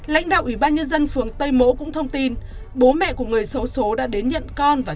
lãnh đạo ủy ban nhân dân phường tây mỗ cũng thông tin bố mẹ của người xấu xố đã đến nhận con và